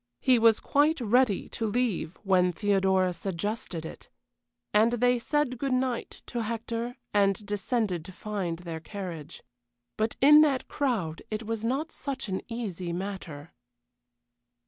He was quite ready to leave when Theodora suggested it, and they said good night to Hector and descended to find their carriage. But in that crowd it was not such an easy matter.